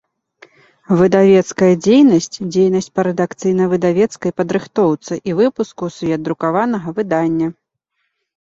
Выдавецкая дзейнасць – дзейнасць па рэдакцыйна-выдавецкай падрыхтоўцы i выпуску ў свет друкаванага выдання.